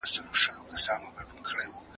استاد ولي د شاګرد ژبه نه سموي؟